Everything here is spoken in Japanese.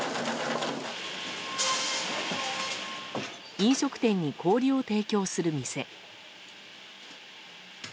飲食店に氷を提供する店。